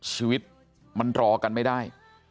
ชีวิตมันรอกันไม่ได้